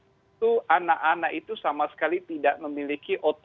itu anak anak itu sama sekali tidak memiliki otomatis